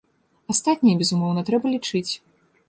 Астатняе, безумоўна, трэба лічыць.